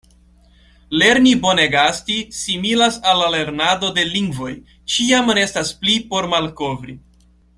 Lerni bone gasti similas al la lernado de lingvoj; ĉiam restas pli por malkovri.